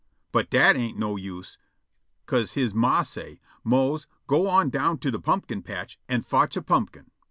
But dat ain't no use, 'ca'se he ma say', "Mose, go on down to de pumpkin patch an' fotch a pumpkin."